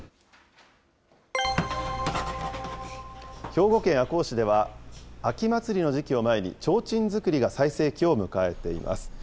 兵庫県赤穂市では、秋祭りの時期を前に、ちょうちん作りが最盛期を迎えています。